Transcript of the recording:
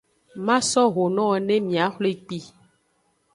Maso ho nowo ne miaxwle kpi.